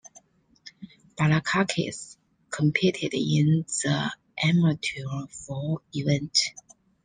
Balakakis competed in the amateur foil event.